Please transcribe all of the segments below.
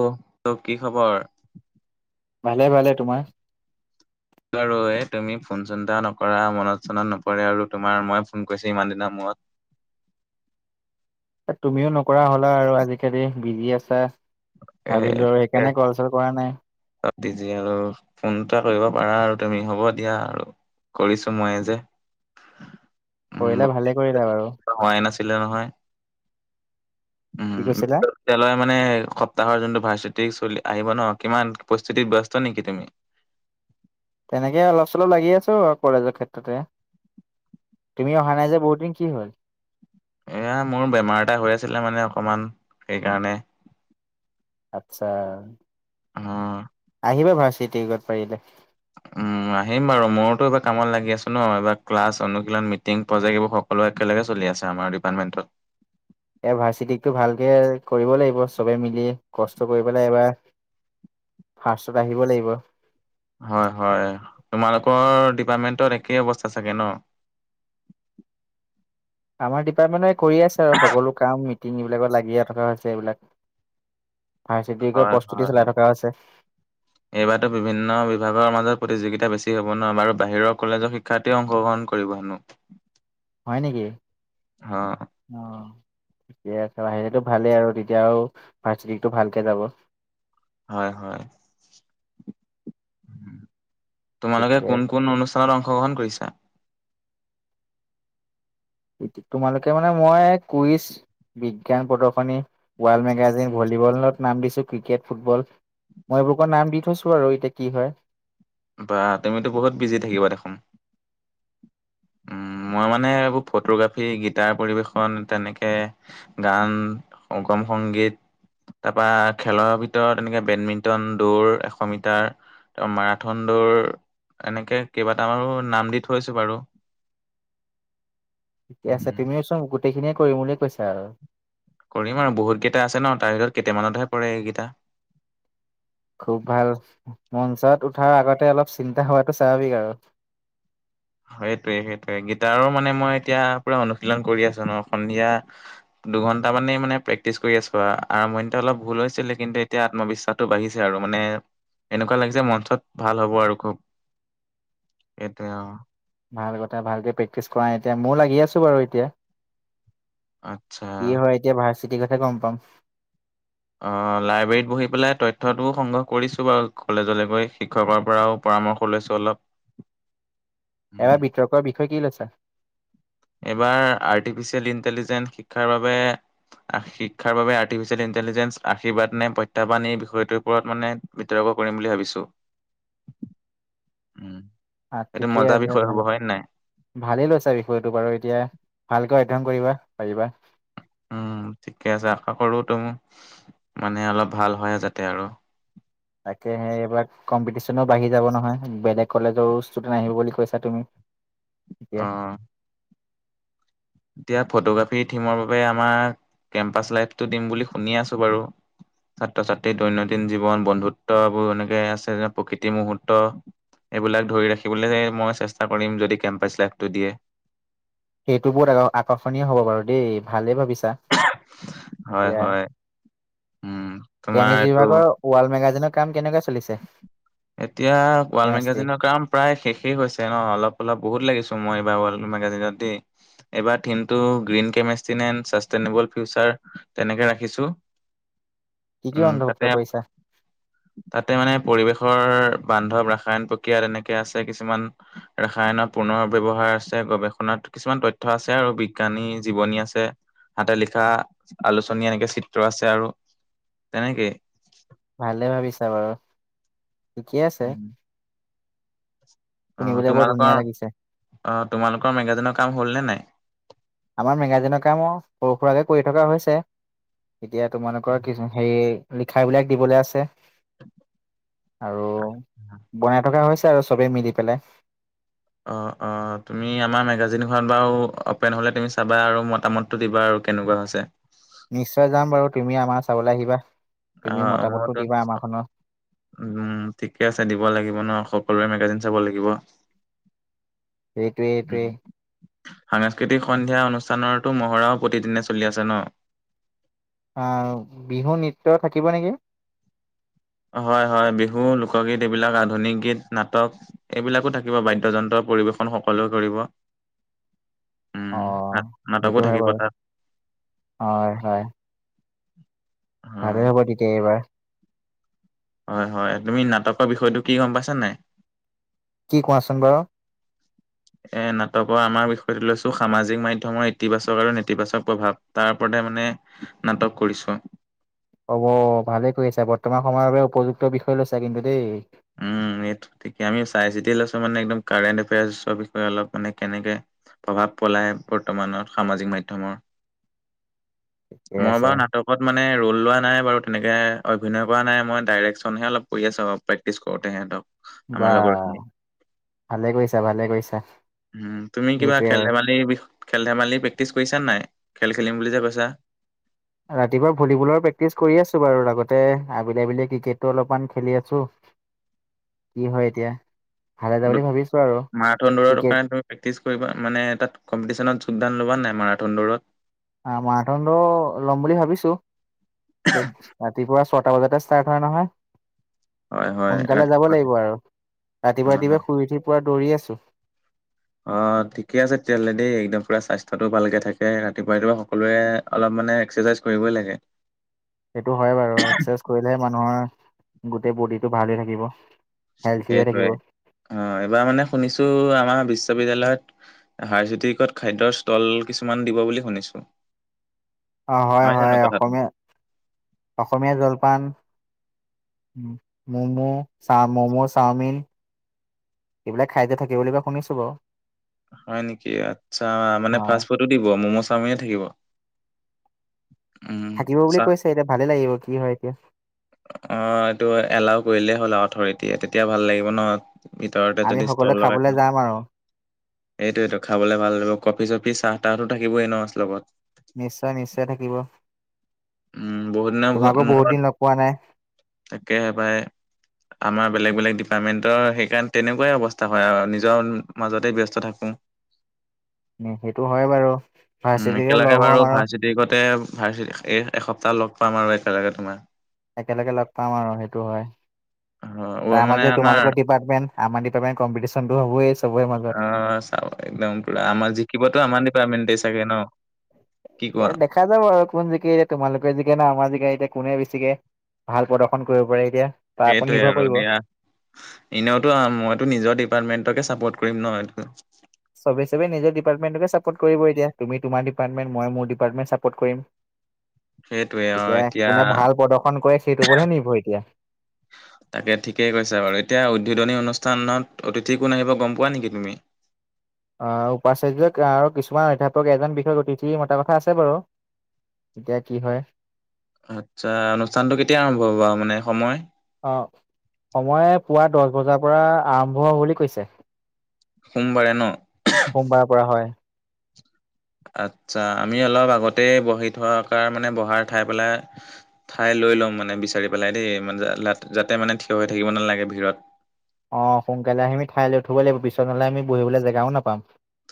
অ', ত, কি খবৰ? ভালে, ভালে তোমাৰ? বাৰু এই তুমি ফোন চিন্তা নকৰা, মনত চনত নপৰে, আৰু তোমাৰ মই ফোন কৰিছো ইমান দিনৰ মূৰত। এ তুমিও নকৰা হ'লা আৰু আজিকালি বিজি আছা। ভাবিলো আৰু সেইকাৰণে কল, চল কৰা নাই। বাকি যি হ'লেও, ফোন এটা কৰিব পাৰা আৰু তুমি হ'ব দিয়া আৰু। কৰিছো মই যে। কৰিলা, উম ভালে কৰিলা বাৰু। হোৱাই নাছিলে নহয়। উম কি [unintelligible] কৈছিলা? এতিয়া লয় মানে সপ্তাহৰ, যোনটো ভাৰ্চিটি য়িউক চলি, আহিব ন, কিমান পৰিস্থিতিত ব্যস্ত নেকি তুমি? তেনেকে অলপ চলপ লাগি আছো আৰু কলেজৰ ক্ষেত্ৰতে। তুমি অহা নাই যে বহু দিন, কি হ'ল? এইয়া মোৰ বেমাৰ এটা হৈ আছিলে মানে অকণমান, সেইকাৰণে। আচ্ছা, অ আহিবা ভাৰ্চিটিত ইওকত পাৰিলে। উম, আহিম বাৰু, মোৰোতো এটা কামত লাগি আছো ন, এবাৰ ক্লাছ অনুশীলন মিটিং প্ৰজেক্ট এইবোৰ সংৰক্ষণে চলি আছে, আমাৰ ডিাৰ্টমেণ্টত। এ ভাৰ্চিটিকটো ইওক ভালকে কৰিব লাগিব, চবে মিলি কষ্ট কৰি পেলাই এবাৰ‌ ফাৰ্ষ্টত আহিব লাগিব। হয় হয়, তোমালোকৰ ডিপাৰ্টমেণ্টত একেই অৱস্থা চাগে ন? আমাৰ ডিপাৰ্টমেণ্টে কৰি আছে আৰু সকলো কাম টিঙি এইবিলাকত লাগি থকা হৈছে এইবিলাক, ভাৰ্চিটি ইওকৰ হয়, হয় প্ৰস্তুতি চলাই থকা হৈছে। এইবাৰতো বিভিন্ন বিভাগৰ মাজত প্ৰতিযোগিতা বেছি হ'ব ন, আৰু বাহিৰৰ কলেজৰ শিক্ষা শিক্ষাৰ্থী অংশগ্ৰহণ কৰিব হেনো। হয় নেকি? অ'। অ', ঠিকে আছে, বাহিৰতটো ভালেই আৰু তেতিয়াও আৰু ভাৰ্চিটিটো ইওক ভালকে যাব। হয় হয়, তোমালোকে ঠিকে কোন কোন অনুষ্ঠা ত অংশগ্ৰহণ কৰিছে? তোমালোকে মানে মই কুইজ বিজ্ঞান প্ৰদৰ্শনী, ৱৰ্ল্ড মেগাজিন ভলীবলত নাম দিছো, ক্ৰিকেট ফুটবল। মই এইবোৰত নাম দি থৈছো আৰু, এতিয়া কি হয়। বা তুমিতো বহুত বিজি থাকিবা দেখোন। উম, মই মানে এইবোৰ ফটোগ্ৰাফী, গীটাৰ পৰিৱেশন তেনেকে গান, অসম সংগীত। তাৰপা খেলৰ ভিতৰত এনেকে বেডমিন্টন দৌৰ এশ মিটাৰ তোমাৰ মাৰঠান দৌৰ এনেকে কেইবাটা মানো নাম দি থৈছো বাৰু ঠিকে আছে উম, তুমিও চোন গোটেইখিনিয়ে কৰিম বুলিয়ে কৈছে আৰু কৰিম আৰু বহুতকেইটা আছে ন তাৰ ভিতৰত কেইটামানতহে পৰে এইকেইটা খুব ভাল মঞ্চত উঠাৰ আগতে অলপ চিন্তা হোৱাটো স্বাভাৱিক আৰু সেইটোৱে সেইটোৱে গীটাৰৰ মানে মই এতিয়া পুৰা অনুশীলন কৰি আছো ন সন্ধিয়া দুঘণ্টা মানেই মানে পেক্টিছ কৰি আছো আৱ আৰম্ভণিতে অলপ ভুল হৈছিলে কিন্তু এতিয়া আত্মবিশ্বাস বাঢ়িছে আৰু মানে এনেকুৱা লাগিছে যে মঞ্চত ভাল হ'ব আৰু খুব সেইটোৱে আও ভাল কথা ভালকে প্ৰেক্টিচ কৰা এতিয়া মই লাগি আছো বাৰু এতিয়া আচ্ছা। কি হয় এতিয়া ভাৰ্চিটিৰ কথা গম পাম অ লাইব্ৰেৰীত বহি পেলাই তথ্যটোও সংগ্ৰহ কৰিছো বাৰু কলেজলৈ গৈ শিক্ষকৰ পৰাও পৰামৰ্শ লৈছো অলপ উম, এবাৰ বিতৰ্কৰ বিষয়ে কি লৈছা এইবাৰ আৰ্টিফিচিয়েল ইণ্টেলিজেন্ঞ্চ শিক্ষাৰ বাবে আ শিক্ষাৰ বাবে আৰ্টিফিচিয়েল ইণ্টেলিজেন্ঞ্চ আশীৰ্বাদ নে প্ৰত্যাহ্বান এই বিষয়টোৰ ওপৰত মানে বিতৰ্ক কৰিম বুলি ভাবিছো উম এইটো মজাৰ বিষয় হ'ব হয় নে নাই ভালে লৈছা বিষয়টো বাৰু এতিয়া ভালকে অধ্যয়ন কৰিবা পাৰিবা উম ঠিকে আছে আশা কৰো ত মানে অলপ ভাল হয় যাতে আৰু তাকে সেই এইবাৰ কম্পিটিশ্যনো বাঢ়ি যাব নহয় বেলেগ কলেজৰো ষ্টুডেন্ট আহিব বুলি কৈছা তুমি ঠিকে অ'। এতিয়া ফটোগ্ৰাফীৰ থিমৰ বাবে আমাৰ কেম্পাছ লাইটটো দিম বুলি শুনি আছো বাৰু ছাত্ৰ ছাত্ৰী দৈনন্দিন জীৱন বন্ধুত্ববোৰ এনেকে আছে যে প্ৰকৃতি মুহূৰ্ত এইবিলাক ধৰি ৰাখিবলে মই চেষ্টা কৰিম যদি কেম্পাছ লাইফটো দিয়ে সেইটো বহুত আ আকৰ্ষণীয় হ'ব বাৰু দেই ভালেই ভাবিছা হয় এতিয়া হয় উম তোমাৰ কেমিষ্টি এইটো বিভাগৰ ৱাল মেগাজিনৰ কাম কেনেকোৱা চলিছে এতিয়া ৱাল কেমেষ্ট্ৰি মেগাজিনৰ কাম প্ৰায় শেষেই হৈছে ন অলপ অলপ বহুত লাগিছো মই এইবাৰ ৱাল মেগাজিনত দেই এইবাৰ টিমটো গ্ৰীণ কেমেষ্টিনেল চাষ্টেইনেবল ফিউচাৰ তেনেকে ৰাখিছো কি কি উম তাতে অন্তৰ্ভুক্ত কৰিছা তাতে মানে পৰিৱেশৰ বান্ধৱ ৰাসায়ন প্ৰক্ৰিয়া তেনেকে আছে কিছুমান ৰাসায়নৰ পুনৰ ব্যৱহাৰ আছে গৱেষণাত কিছুমান তথ্য আছে আৰু বিজ্ঞানী জীৱনী আছে হাতে লিখা আলোচনী এনেকে চিত্ৰ আছে আৰু তেনেকেই ভালে ভাবিছা বাৰু ঠিকে আছে অ শুনিবলৈ বৰ ধুনীয়া তোমালোকৰ লাগিছে অ তোমালোকৰ মেগাজিনৰ কাম হ'ল নে নাই আমাৰ মেগাজিনৰ কামো সৰু সুৰাকে কৰি থকা হৈছে এতিয়া তোমালোকৰ কিছু হেৰি লিখা বিলাক দিবলৈ আছে আৰু বনাই থকা হৈছে আৰু চবেই মিলি পেলাই অ অ তুমি আমাৰ মেগাজিনখন বাও অপেন হ'লে তুমি চাবা আৰু মতামত দিবা আৰু কেনেকুৱা হৈছে নিশ্চয় যাম বাৰু তুমি আমাৰ চাবলে আহিবা তুমি অ' মতামততো মইতো দিবা আমাৰ খনৰ উম, ঠিকে আছে দিব লাগিব ন। সকলোৰে মেগাজিন চাব লাগিব। এইটোৱে উম। এইটোৱে সাংস্কৃতিক সন্ধিয়া অনুষ্ঠানৰতো মহৰাও প্ৰতিদিনে চলি আছে ন? অ বিহু নৃত্য থাকিব নেকি। হয় হয়। বিহু, লোকগীত এইবিলাক আধুনিক গীত নাটক। এইবিলাকো থাকিব বাদ্যযন্ত্ৰ পৰিবেশন সকলোৱে কৰিব। অ উম। নাটকো সেইটো হয় থাকিব বাৰু তাত। হয় [inaudible] ভালে হ'ব তেতিয়া এইবাৰ। হয় হয়। তুমি নাটক বিষয়টো কি গম পাইছা নাই? কি, কোৱাচোন বাৰু? [inaudible] এ নাটকৰ আমাৰ বিষয়টো লৈছো, সামাজিক মাধ্যমৰ ইতিবাচক আৰু নেতিবাচক প্ৰভাৱ। তাৰ ওপৰতে মানে নাটক কৰিছো। হব, ভালে কৰি আছা। বৰ্তমান সময়ৰ বাবে উপযুক্ত বিষয় লৈছা কিন্তু দেই। উম, এইটো ঠিকে আমি চাই চিতি লৈছো মানে একদম কাৰেণ্ট এফেয়াৰ্চ অ বিষয়ে অলপ মানে কেনেকে প্ৰভাৱ পলাই বৰ্তমানত সামাজিক মাধ্যমৰ, ঠিকে মই আছে বাৰু না টকত মানে ৰল লোৱা নাই বাৰু তেনেকে, অভিনয় কৰা নাই মই ডাইৰেকশ্যনহে অলপ কৰি আছোঁ অ পেকটিছ কৰোঁতে সিহঁতক। বা। ভালে কৰিছা ভালে কৰিছা উম। তুমি কিবা সেইটোৱে খেল আৰু ধেমালি বি খেল ধেমালি প্ৰেক্টিছ কৰিছা নাই? খেল খেলিম বুলি যে কৈছা? ৰাতিপুৱা ভলীবলৰ প্ৰেক্টিচ কৰি আছো বাৰু লগতে আবেলি আবেলি ক্ৰিকেটো অলপমান খেলি আছো। [inaudible] কি হয় এতিয়া? ভালে যাব বুলি ভাবিছো আৰু মাৰাঠুন দৌৰৰ ক্ৰিকেট কাৰণে তু প্ৰেক্টিচ কৰিবা, মানে তাত কম্পিটিচনত যোগদান ল'বা নাই, মাৰাথন দৌৰত? আ মাৰাঠুন দৌ লম বুলি ভাবিছো। [unintelligible] ৰাতিপুৱা ছটা বজাতে ষ্টাৰ্ট হয় নহয়। হয় হয় সোনকালে যাব ৰাতিপুৱাতে লাগিব আৰু। অ ৰাতিপুৱা অ ৰাতিপুৱা শুই উঠি পোৰা দৌৰি আছো। অ', ঠিকে আছে তেতিয়াহ'লে দেই। একদম পুৰা স্বাস্থ্যতো ভালকে থাকে। ৰাতিপুৱা ৰাতিপুৱা সকলোৱে অলপ মানে এক্সেচাইজ কৰিবই লাগে। সেইটো হয় বাৰু এক্সেজ কৰিলেহে মানুহৰ গোটেই বডিটো ভালে থাকিব। হেল্ডি হৈ এইটোৱে থাকিব অ, এবাৰ মানে শুনিছো আমাৰ বিশ্ববিদ্যালয়ত হাৰজিতিকত খাদ্যৰ ষ্টল কিছুমান দিব বুলি শুনিছো। অ', হয়, জানো হয়। কথাটো অসমীয়া অসমীয়া জলপান উম, ম'ম' চা ম'ম', চাওমিন এইবিলাক খাই যে থাকে বুলিবা শুনিছো বাও। হয় নেকি আচ্ছা। মানে, হয় ফাষ্ট ফুডো দিব ম'ম', চাওমিন থাকিব। উম থাকিব বুলি চা কৈছে। এতিয়া ভালেই লাগিব, কি হয় এতিয়া। অ, এইটো এলাও কৰিলেই হ'ল আৰু অথৰিটিয়ে তেতিয়া ভাল লাগিব ন ভিতৰতে আমি যদি সকলোৱে স্থল লগাই খাবলৈ [unintelligible] যাম আৰু এইটো এইটো খাবলে ভাল লা। কফি চফি চাহ তাহটো থাকিবই ন- লগত। নিশ্চয় নিশ্চয় থাকিব। উম বহুত দিনৰ মূ- তোমাকো বহুত মূৰত দিন লগ পোৱা নাই। তাকেহে পাই। আমাৰ বেলেগ বেলেগ ডিপাৰ্টমেণ্টৰ সেইকাৰণ তেনেকুৱাই অৱস্থা হয় আৰু নিজৰ মাজতে ব্যস্ত থাকোঁ। [unintelligible] উম, সেইটো হয় বাৰু, ভাৰ্চিতিকে লগ হ'ম আৰু। দেগতে ভাৰ্চি এ, এসপ্তাহ লগ পাম আৰু একেলগে তোমাৰ। একেলগে লগ পাম আৰু সেইটো হয়। অ', অ', তাৰ মানে মাজে আমাৰ তোমালোকৰ টিপ পাৰ্টমেন আমাৰ [unintelligible] কম্পিটিচনটো [unintelligible] আছ আ, চাওঁ একদম পুৰা আমাৰ জিকিবতো আমাৰ ডিপাৰ্টমেণ্টেই চাগে ন'? কি এ, কোৱা? দেখা যাব আৰু কোন জিকিলে তোমালোকে জিকে না আমাৰ জিকা এতিয়া কোনে বেছিকে। ভাল প্ৰদৰ্শন কৰিব পাৰে এতিয়া। তাৰ ওপৰত এইটোৱে নিৰ্ভৰ আৰু কৰিব। দিয়া। এনেওতো মইতো নিজৰ ডিপাৰ্টমেন্টকে চাপৰ্ট কৰিম ন'। এইটো চবে চবে নিজৰ ডিপাৰ্টমেণ্টটোকে চাপৰ্ট কৰিব এতিয়া। তুমি তোমাৰ ডিপাৰ্টমেণ্ট মই মোৰ ডিপাৰ্টমেণ্ট চাপৰ্ট কৰিম। [unintelligible] এতিয়া কোনে ভাল প্ৰদৰ্শন কৰে সেইটো ওপৰতহে নিৰ্ভৰ এতিয়া। [inaudible] তাকে ঠিকেই কৈছা বাৰু। এতিয়া উদ্বোধনী অনুষ্ঠানত অতিথি কোন আহিব গম পোৱা নেকি তুমি? অ', উপাচাৰ্যক আৰু কিছুমান অধ্যাপক এজন বিষয়ক অতিথি মতা কথা আছে বাৰু। এতিয়া কি হয়। আচ্ছা অনুষ্ঠানটো কেতিয়া আৰম্ভ হ'ব আৰু মানে সময়? অ'। সময় পুৱা দজ বজাৰ পৰা আৰম্ভ হ, বুলি কৈছে। সোমবাৰে ন'? সোমবাৰৰ পৰা হয়। আচ্ছা আমি অলপ আগতেই বহি থকাৰ কা মানে বহাৰ ঠাই পেলাই ঠাই লৈ ল'ম মানে বিচাৰি পেলাই দেই। মানে, যা লাত যাতে মানে থিয় হৈ থাকিব নালাগে ভিৰত। অ', সোনকালে আহিমি ঠাই লৈ ঠব লাগিব পিছত নহ'লে আমি বহিবলে জেগাও নাপাম।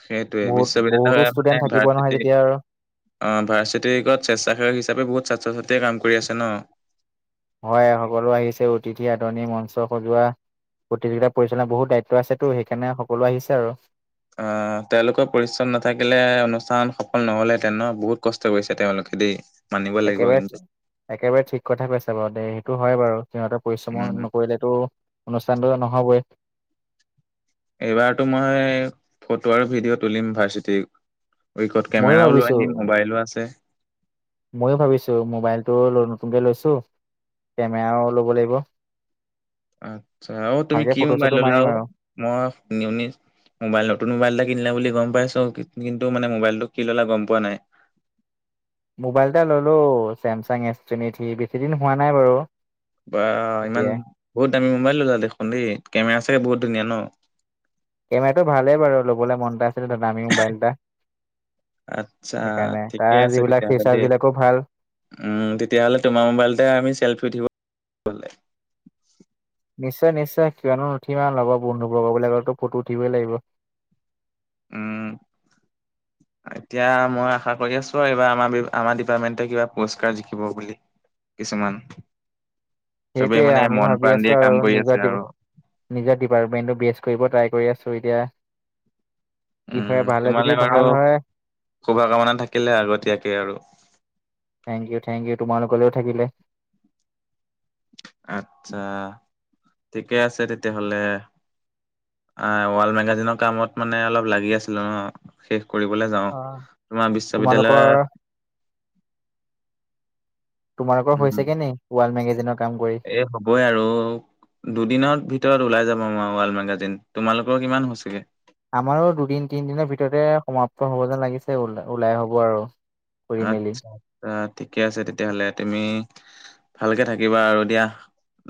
সেইটোৱে বহুত বহুতো বিশ্ববিদ্যালয়ৰ মানে ষ্টুডেন্ট থাকিব নহয় ভাৰ্চিটি তেতিয়া আৰু। অ', ভাৰ্চিটিগত স্বেচ্ছাসেৱক হিচাপে বহুত ছাত্ৰ ছাত্ৰীয়ে কাম কৰি আছে ন'। হয় সকলো আহিছে অতিথি আদনি মঞ্চ সজোৱা। প্ৰতিযোগিতা পৰিচালনা বহুত দায়িত্ব আছেতো সেইকাৰণে সকলো আহিছে আৰু। অ', তেওঁলোকৰ পৰিচ্চন নাথাকিলে অনুষ্ঠান সফল নহলে তেনে বহুত কষ্ট কৰিছে তেওঁলোকে দেই। [unintelligible] লাগিব একেবাৰে কিন্তু। একেবাৰে ঠিক কথা কৈছা বাৰু দে, সেইটো হয় বাৰু সিহঁতে উম, পৰিশ্ৰম' নকৰিলেতো অনুষ্ঠানটো নহ'বই। এইবাৰতো মই ফটো আৰু ভিডিঅ' তুলিম ভাৰ্চিটি উইকত, ময়ো কেমেৰাও লৈ ভাবিছো আহিম, মোবাইলো আছে। ময়ো ভাবিছো, মোবাইলটো নতুনকে লৈছোঁ। কেমেৰাও ল'ব লাগিব। আচ্ছা। অ' তুমি ভালকে কি ফটো মোবাইল চটো ল'লা মাৰিম ও? আৰু মই [unintelligible] মোবাইল নতুন মোবাইল এটা কিনিলা বুলি গম পাইছোঁ। কি-কিন্তু মানে মোবাইলটো কি ল'লা গম পোৱা নাই। মোবাইল এটা ললো চেমচাং এছ টুৱেন্টি থ্ৰী। বেছি দিন হোৱা নাই বাৰু। বাঃ ইমান! এতিয়া বহুত দামী মোবাইল ল'লা দেখোন দেই। কেমেৰা চাগে বহুত ধুনীয়া ন? কেমেৰাটো ভালেই বাৰু। ল'বলৈ মন এটা [unintelligible] দামী মোবাইল এটা। আচ্ছা সেইকাৰণে ঠিকে তাৰ আছে যিবিলাক তেতিয়াহ'লে দেই। ফিচাৰ্চবিলাকো ভাল। উম, তেতিয়াহ'লে তোমাৰ মোবাইলতে আমি চেল্ফি উঠিব নিশ্চয়, নিশ্চয়। কিয়নো নুঠিবা আৰু লগৰ বন্ধুবৰ্গবিলাকৰতো ফটো উঠিবই লাগিব। উম। এতিয়া মই আশা কৰি আছোঁ আৰু এইবাৰ আমাৰ, বি আমাৰ ডিপাৰ্টমেণ্টে কিবা প'ষ্টকাৰ্ড জিকিব বুলি। কিছুমান। চবেই সেইটোৱে মানে আমি মন ভাবি প্ৰাণ আছোঁ দিয়ে কাম আৰু [unintelligible] কৰি আছে আৰু। নিজৰ ডিপাৰ্টমেণ্টটো বেষ্ট কৰিব ট্ৰাই কৰি আছোঁ এতিয়া। কি উম, হয়, ভালে যদি তোমালে বাৰু ভাল হয় শুভকামনা থাকিলে আগতীয়াকে আৰু। Thank you, thank you. তোমালোকলৈও থাকিলে। আত্ছা! ঠিকে আছে, তেতিয়াহ'লে। আহ, ৱাল মেগাজিনৰ কামত মানে অলপ লাগি আছিলো ন! শেষ কৰিবলৈ যাওঁ। অ'। তোমাৰ তোমালোকৰ বিশ্ববিদ্যালয় তোমালোকৰ উম হৈছেগে নেকি ৱাল মেগাজিনৰ কাম কৰি? এই হ'বই আৰু। দে দুদিনত ভিতৰত ওলাই যাব আমাৰ ৱাল মেগাজিন। তোমালোকৰ কিমান হৈছেগৈ? আমাৰো দুদিন-তিনিদিনৰ ভিতৰতে সমাপ্ত হ'ব যেন লাগিছে। ও-ওলাই হ'ব আৰু। কৰি মেলি আত্সা। অ', ঠিকে আছে তেতিয়াহ'লে। তুমি ভালকে থাকিবা আৰু দিয়া,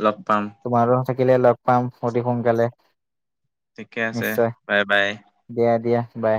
লগ পাম। তোমাৰো থাকিলে লগ পাম, অতি সোনকালে। ঠিকে আছে। নিশ্চয় বাই বাই। দিয়া, দিয়া, বাই।